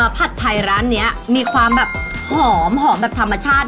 ผัดไทยร้านนี้มีความแบบหอมหอมแบบธรรมชาติ